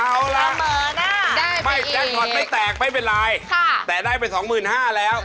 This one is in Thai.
อ๋อแหละได้ไปอีกไม่แตกด้วยแตกไม่เป็นไรแต่ได้ไป๒๕๐๐๐บาทแล้ว